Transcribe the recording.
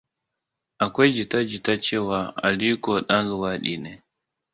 Akwai jitajita cewa Aliko dan luwadi ne.